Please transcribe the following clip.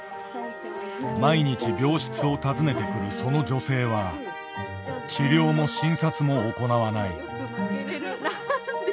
毎日病室を訪ねてくるその女性は治療も診察も行わない。